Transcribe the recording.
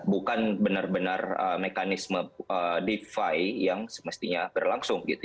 bukan benar benar mekanisme defi yang semestinya berlangsung gitu